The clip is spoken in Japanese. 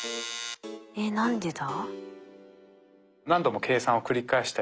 えっ何でだ？